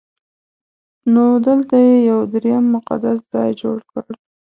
نو دلته یې یو درېیم مقدس ځای جوړ کړ.